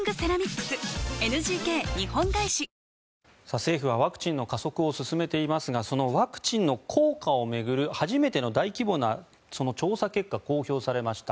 政府はワクチンの加速を進めていますがそのワクチンの効果を巡る初めての大規模な調査結果が公表されました。